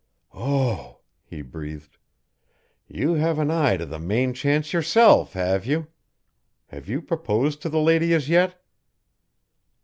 "Oh," he breathed. "You have an eye to the main chance yourself have you? Have you proposed to the lady as yet?"